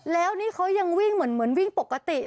แล้วนี่เขายังวิ่งเหมือนวิ่งปกติ